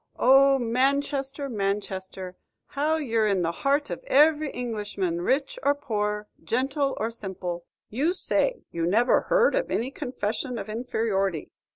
O Manchester, Manchester! how ye're in the heart of every Englishman, rich or poor, gentle or simple! You say you never heard of any confession of inferiority.